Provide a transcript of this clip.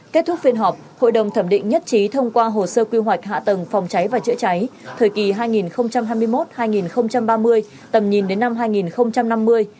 kết thúc phiên họp hội đồng thẩm định nhất trí thông qua hồ sơ quy hoạch hạ tầng phòng cháy và chữa cháy thời kỳ hai nghìn hai mươi một hai nghìn ba mươi tầm nhìn đến năm hai nghìn năm mươi